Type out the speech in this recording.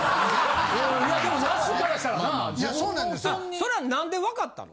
それはなんで分かったの？